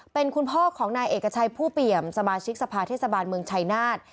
เป็นคุณพ่อของนายเอกชัยผู้เปี่ยมสมาชิกสภาเทศบาลเมืองชัยนาธ